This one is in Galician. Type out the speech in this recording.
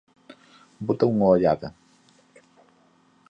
Bota unha ollada.